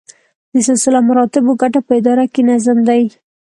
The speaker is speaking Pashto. د سلسله مراتبو ګټه په اداره کې نظم دی.